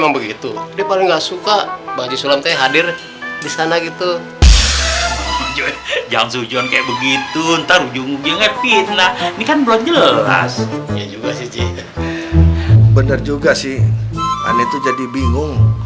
paku paku dicabutin dong